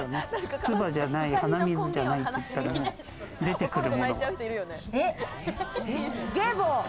唾じゃない、鼻水じゃないって言ったら出ゲボ。